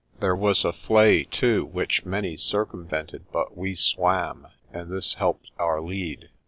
There was a vlci too which many circumvented, but we swam, and this helped our lead.